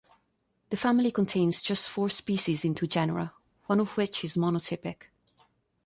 The family contains just four species in two genera, one of which is monotypic.